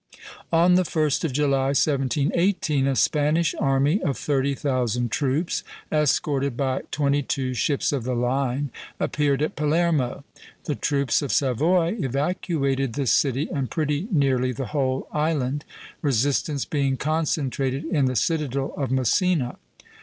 On the 1st of July, 1718, a Spanish army of thirty thousand troops, escorted by twenty two ships of the line, appeared at Palermo. The troops of Savoy evacuated the city and pretty nearly the whole island, resistance being concentrated in the citadel of Messina.